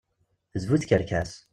D bu tkerkas.